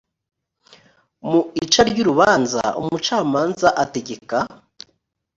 mu ica ry urubanza umucamanza ategeka